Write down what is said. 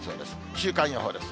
週間予報です。